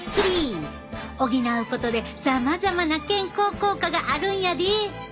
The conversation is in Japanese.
補うことでさまざまな健康効果があるんやで！